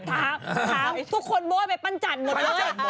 ถามทุกคนโบ๊ยไปปั้นจันทร์หมดเลย